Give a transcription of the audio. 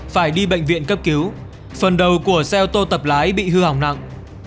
phải đi bệnh viện cấp cứu phần đầu của xe ô tô tập lái bị hư hỏng nặng